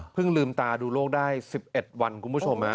เพิ่งลืมตาดูโรคได้๑๑วันคุณผู้ชม